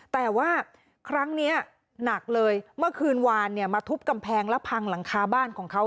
แต่ว่าครั้งนี้หนักเลยเมื่อคืนวานมาทุบกำแพงและพังหลังคาบ้านของเขา